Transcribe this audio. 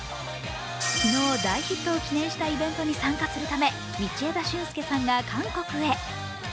昨日、大ヒットを記念したイベントに参加するため道枝駿佑さんが韓国へ。